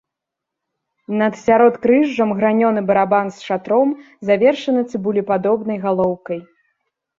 Над сяродкрыжжам гранёны барабан з шатром, завершаны цыбулепадобнай галоўкай.